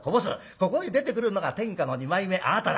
ここへ出てくるのが天下の二枚目あなただ。